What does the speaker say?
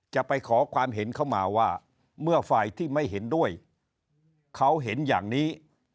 จะไปขอความเห็นเข้ามาว่าเมื่อฝ่ายที่ไม่เห็นด้วยเขาเห็นอย่างนี้